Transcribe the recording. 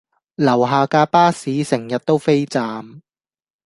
樓下架巴士成日都飛站